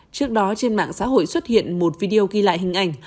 trước đó trên mạng xã hội xuất hiện một video ghi lại hình ảnh